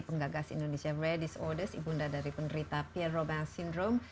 penggagas indonesia radies ordes ibunda dari penderita pierre robin syndrome